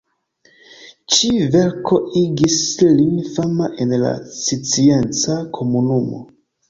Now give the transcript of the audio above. Ĉi-verko igis lin fama en la scienca komunumo.